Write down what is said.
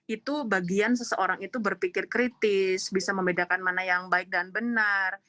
itu bagian seseorang itu berpikir kritis bisa membedakan mana yang baik dan benar